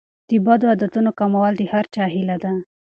د بدو عادتونو کمول د هر چا هیله ده.